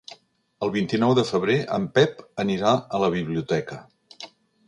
El vint-i-nou de febrer en Pep anirà a la biblioteca.